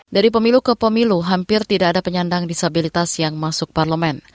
dari pemilu ke pemilu hampir tidak ada penyandang disabilitas yang masuk parlemen